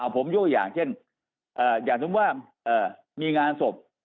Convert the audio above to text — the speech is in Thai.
ผมยกอย่างเช่นอย่างสมมุติว่ามีงานศพ